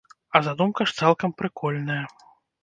А задумка ж цалкам прыкольная!